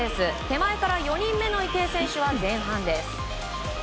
手前から４人目の池江選手は前半です。